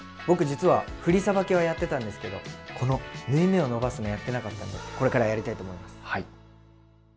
僕実は振りさばきはやってたんですけどこの縫い目を伸ばすのをやってなかったのでこれからはやりたいと思います。